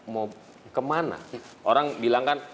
mau kemana orang bilangkan